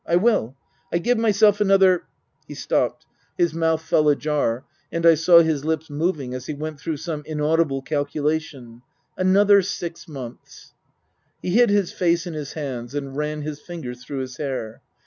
I will. I give myself another " He stopped. His mouth Book I : My Book 27 fell ajar, and I saw his lips moving as he went through some inaudible calculation " another six months." He hid his face in his hands and ran his fingers through his hair.